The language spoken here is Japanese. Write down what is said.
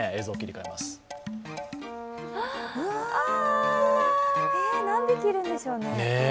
え、何匹いるんでしょうね。